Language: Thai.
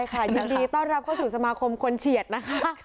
ใช่ค่ะยินดีต้อนรับเข้าสู่สมาคมคนเฉียดนะคะค่ะ